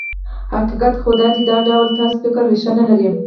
حقیقت خو دا دی چې دا ډول طرز فکر ريښه نه لري.